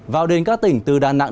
vào đến các tỉnh từ đà nẵng